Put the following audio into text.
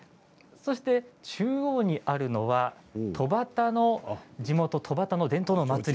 そして中央にあるのは地元戸畑の伝統の祭り